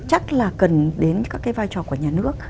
chắc là cần đến các cái vai trò của nhà nước